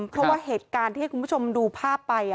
เพราะว่าเหตุการณ์ที่ให้คุณผู้ชมดูภาพไป